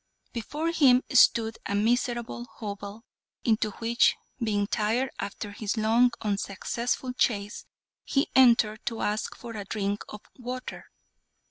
Before him stood a miserable hovel, into which, being tired after his long, unsuccessful chase, he entered to ask for a drink of water.